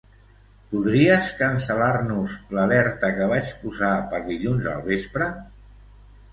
Podries cancel·lar-nos l'alerta que vaig posar per dilluns al vespre?